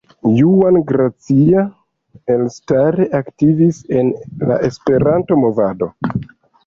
Juan Gracia elstare aktivis en la Esperanto movado.